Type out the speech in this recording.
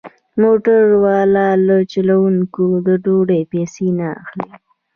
هوټل والا له چلوونکو د ډوډۍ پيسې نه اخلي.